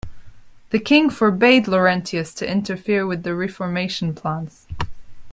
The king forbade Laurentius to interfere with the reformation plans.